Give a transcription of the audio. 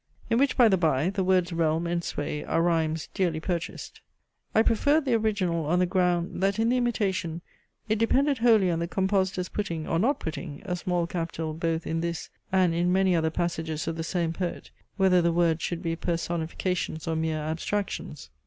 (in which, by the bye, the words "realm" and "sway" are rhymes dearly purchased) I preferred the original on the ground, that in the imitation it depended wholly on the compositor's putting, or not putting, a small capital, both in this, and in many other passages of the same poet, whether the words should be personifications, or mere abstractions.